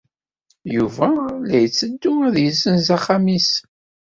Yuba la itteddu ad yessenz axxam-is.